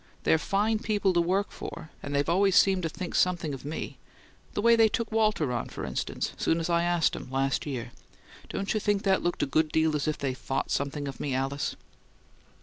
They're fine people to work for; and they've always seemed to think something of me; the way they took Walter on, for instance, soon as I asked 'em, last year. Don't you think that looked a good deal as if they thought something of me, Alice?"